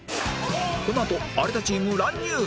このあと有田チーム乱入！